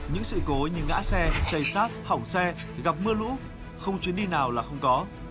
những sự cố như ngã xe xây sát hỏng xe gặp mưa lũ không chuyến đi nào là không có